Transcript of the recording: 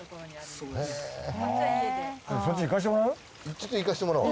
そっち行かせてもらう？